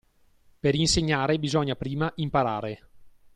Per insegnare bisogna prima imparare.